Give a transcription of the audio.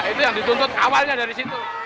itu yang dituntut awalnya dari situ